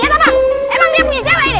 kagak liat apa emang dia punya siapa ini